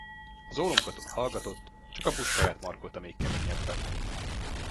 Az ólomkatona hallgatott, csak a puskáját markolta még keményebben.